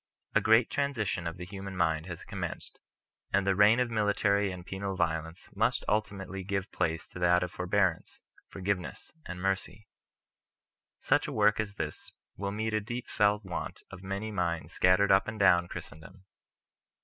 A great transition of the human mind has commenced and the reign of military and penal violence must ultimately give place to that of forbearance, forgiveness, and mercy. Such a work as this will meet a deep felt want of many minds scattered up and down Christendom.